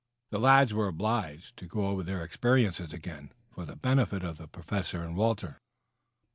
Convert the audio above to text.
The lads were obliged to go all over their experiences again for the benefit of the Professor and Walter.